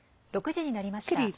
６時になりました。